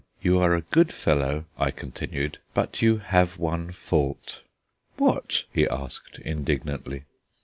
You are a good fellow," I continued, "but you have one fault." "What?" he asked, indignantly.